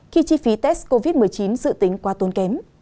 khi chi phí test covid một mươi chín dự tính quá tốn kém